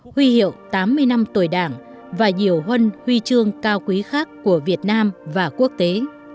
huy hiệu tám mươi năm tuổi đảng và nhiều huân huy chương cao quý khác của việt nam và quốc tế